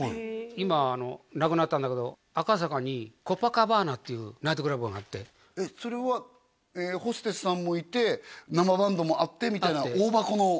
今はなくなったんだけど赤坂にコパカバーナっていうナイトクラブがあってそれはホステスさんもいて生バンドもあってみたいな大箱の？